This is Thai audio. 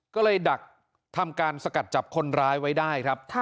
ก็เลยดักทำการสกัดจับคนร้ายไว้ได้ครับ